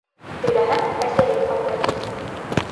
Һөйләһәң, әсегеҙ ҡатыр!